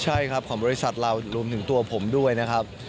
ใช่ครับของบริษัทเรารวมถึงตัวผมด้วยนะครับ